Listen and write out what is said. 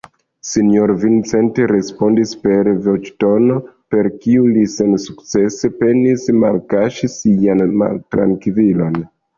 Sinjoro Vincent respondis per voĉtono, per kiu li sensukcese penis malkaŝi sian maltrankvilon: